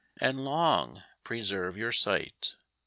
And long preserve your sight.